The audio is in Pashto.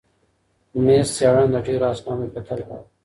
میز څېړنه د ډېرو اسنادو کتل غواړي.